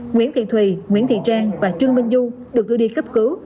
nguyễn thị thùy nguyễn thị trang và trương minh du được đưa đi cấp cứu